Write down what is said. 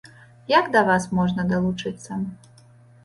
Як да вас можна далучыцца?